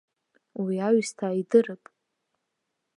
Уи аҩсҭаа идырп.